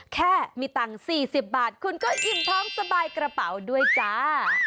แค่มีตังค์๔๐บาทคุณก็อิ่มท้องสบายกระเป๋าด้วยจ้า